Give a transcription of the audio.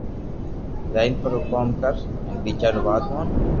جائين آپرو ڪوم ڪر ھين ٻيجا رو وات مون